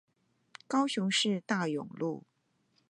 高雄市大勇路